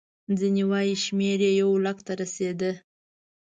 ځینې وایي شمېر یې یو لک ته رسېده.